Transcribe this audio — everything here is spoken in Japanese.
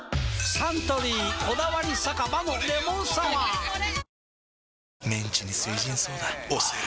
サントリー「こだわり酒場のレモンサワー」推せる！！